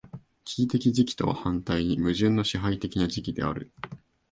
危機的時期とは反対に矛盾の支配的な時期である。